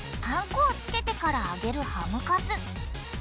パン粉をつけてから揚げるハムカツ。